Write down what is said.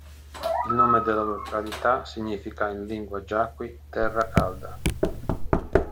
Il nome della località significa in lingua yaqui "terra calda".